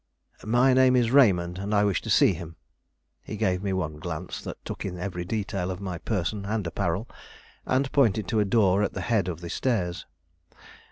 "My name is Raymond, and I wish to see him." He gave me one glance that took in every detail of my person and apparel, and pointed to a door at the head of the stairs.